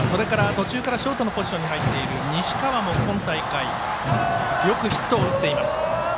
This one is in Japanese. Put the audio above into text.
途中からショートの守備に入っている西川も今大会よくヒットを打っています。